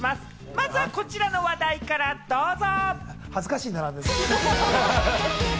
まずはこちらの話題から、どうぞ。